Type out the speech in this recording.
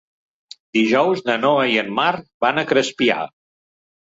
Dijous na Noa i en Marc van a Crespià.